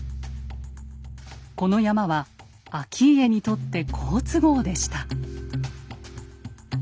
この山は顕家にとって好都合でした。